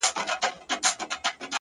زما کار نسته کلیسا کي په مسجد مندِر کي